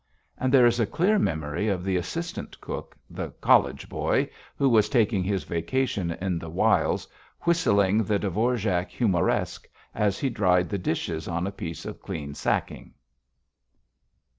And there is a clear memory of the assistant cook, the college boy who was taking his vacation in the wilds, whistling the Dvo[vr]ák "Humoresque" as he dried the dishes on a piece of clean sacking.